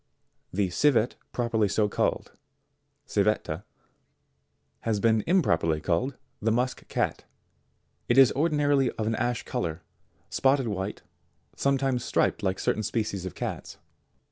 63. The Civet properly so called, Civetta, has been im properly called the musk cat. It is ordinarily of an ash colour, spotted white, sometimes striped like certain species of cats.